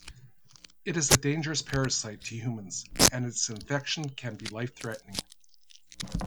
It is a dangerous parasite to humans, and its infection can be life-threatening.